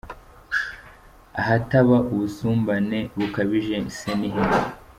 Ahataba ubusumbane bukabije se ni he????????.